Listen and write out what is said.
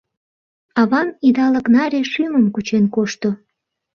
Авам идалык наре шӱмым кучен кошто.